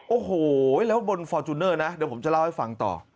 โอ้โหแล้วบนฟอร์จูเนอร์นะเดี๋ยวผมจะเล่าให้ฟังต่อ